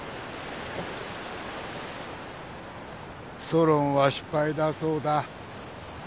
ソロンは失敗だそうだ。